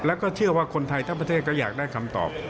แล้วก็เชื่อว่าคนไทยทั้งประเทศก็อยากได้คำตอบ